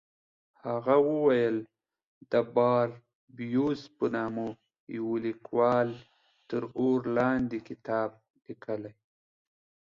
هغه وویل د باربیوس په نامه یوه لیکوال تر اور لاندې کتاب لیکلی.